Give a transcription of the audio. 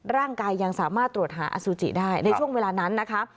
ร่างกายยังสามารถตรวจหาอสุจิได้ในช่วงเวลานั้นนะคะ